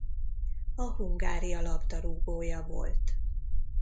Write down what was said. A Hungária labdarúgója volt.